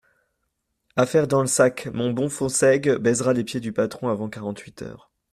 Affaire dans le sac, mon bon Fonsègue baisera les pieds du patron avant quarante-huit heures.